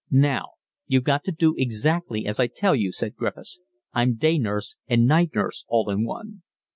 "Now you've got to do exactly as I tell you," said Griffiths. "I'm day nurse and night nurse all in one."